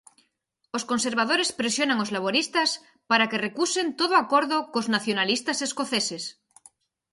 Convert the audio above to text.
Os conservadores presionan os laboristas para que recusen todo acordo cos nacionalistas escoceses.